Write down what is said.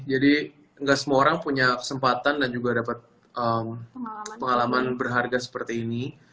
jadi gak semua orang punya kesempatan dan juga dapat pengalaman berharga seperti ini